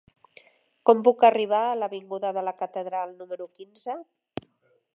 Com puc arribar a l'avinguda de la Catedral número quinze?